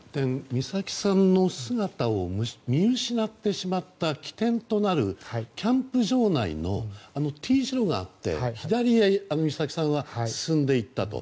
美咲さんの姿を見失ってしまった起点となるキャンプ場内のＴ字路があって左に美咲さんは進んでいった。